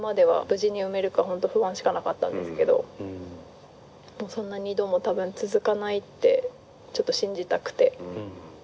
無事に産めるか本当不安しかなかったんですけどそんな２度も多分続かないってちょっと信じたくて。